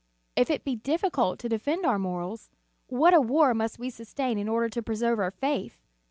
If it be difficult to defend our morals, what a war must we sustain in order to preserve our faith